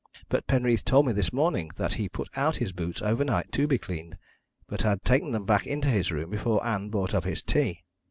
But Penreath told me this morning that he put out his boots overnight to be cleaned, but had taken them back into his room before Ann brought up his tea.